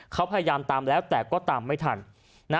เขาพยายามตามแล้วแต่ก็ตามไม่ทัน